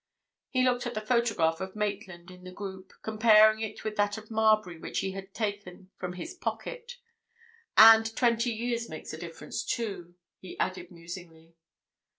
He looked at the photograph of Maitland in the group, comparing it with that of Marbury which he had taken from his pocket. "And twenty years makes a difference, too," he added musingly.